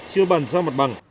chưa bàn ra mặt bằng